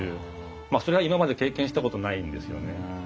まあそれは今まで経験したことないんですよね。